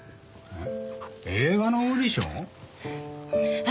えっ？